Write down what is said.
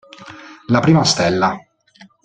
La prima stella.